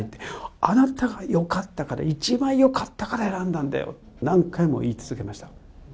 あなたがよかったから、一番よかったから選んだんだよって、何回も言い続けました。